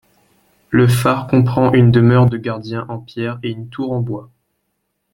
Le phare comprend une demeure de gardien en pierre et une tour en bois.